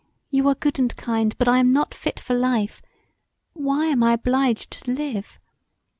You are good and kind but I am not fit for life. Why am I obliged to live?